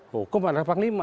hukum adalah panglima